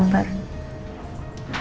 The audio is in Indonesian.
aku beruntung dan bersyukur